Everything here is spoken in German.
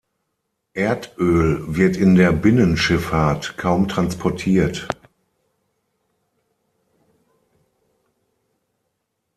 Erdöl wird in der Binnenschifffahrt kaum transportiert.